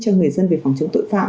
cho người dân về phòng chống tội phạm